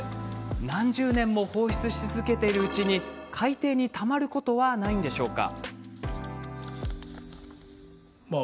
何十年も放出し続けるうちに海底にたまることはないんでしょうか？